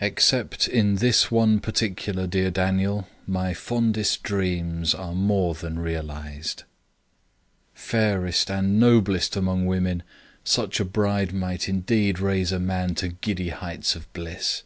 Except in this one particular, dear Daniel, my fondest dreams are more than realized. Fairest and noblest among women, such a bride might indeed raise a man to giddy heights of bliss.